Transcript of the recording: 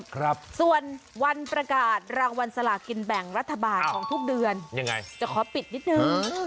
ครับส่วนวันประกาศรางวัลสลากินแบ่งรัฐบาลของทุกเดือนยังไงจะขอปิดนิดนึง